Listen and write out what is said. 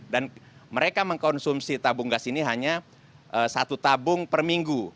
dan mereka mengkonsumsi tabung gas ini hanya satu tabung per minggu